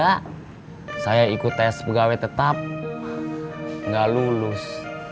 bapak saya ikut tes pegawai tetap gak lulus